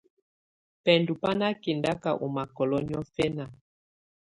Bɛndɔ̀ bà nà kɛndaka ù makɔlɔ̀ niɔfɛna.